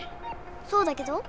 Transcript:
そうだけど。